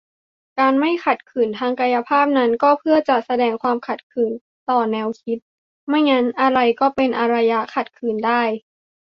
การไม่ขัดขืนทางกายภาพนั้น ก็เพื่อจะแสดงความขัดขืนต่อแนวคิด - ไม่งั้นอะไรก็เป็น "อารยะขัดขืน" ได้